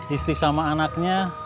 istri sama anaknya